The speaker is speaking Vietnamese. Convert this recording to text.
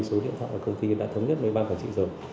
số điện thoại của công ty đã thống nhất với ban quản trị rồi